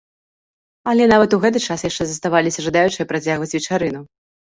Але нават у гэты час яшчэ заставаліся жадаючыя працягваць вечарыну.